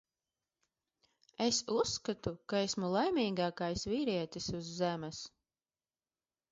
Es uzskatu, ka esmu laimīgākais vīrietis uz Zemes.